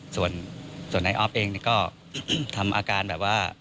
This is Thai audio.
ส่วนนายออฟเองก็ทำอาการแบบว่า